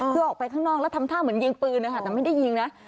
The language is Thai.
คือออกไปข้างนอกแล้วทำท่าเหมือนยิงปืนนะคะแต่ไม่ได้ยิงนะ